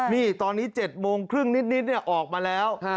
นี่ตอนนี้๗โมงครึ่งนิดออกมาแล้ว